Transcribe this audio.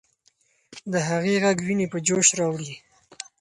د هغې ږغ ويني په جوش راوړي.